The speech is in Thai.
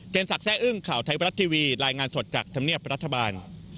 สักแร่อึ้งข่าวไทยบรัฐทีวีรายงานสดจากธรรมเนียบรัฐบาล